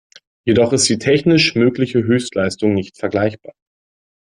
Jedoch ist die technisch mögliche Höchstleistung nicht vergleichbar.